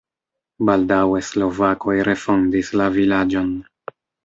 Baldaŭe slovakoj refondis la vilaĝon.